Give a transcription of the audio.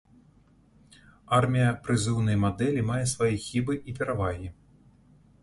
Армія прызыўнай мадэлі мае свае хібы і перавагі.